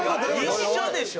一緒でしょ。